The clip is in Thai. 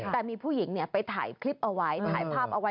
แต่มีผู้หญิงไปถ่ายคลิปเอาไว้ถ่ายภาพเอาไว้